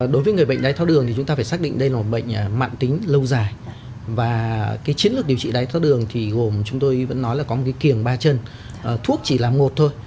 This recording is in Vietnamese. đối với người bệnh đái tháo đường thì chúng ta phải xác định đây là bệnh mạng tính lâu dài và cái chiến lược điều trị đáy tháo đường thì gồm chúng tôi vẫn nói là có một cái kiềng ba chân thuốc chỉ là một thôi